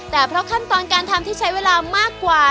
แต่เพราะขั้นตอนการทำที่ใช้เวลามากกว่า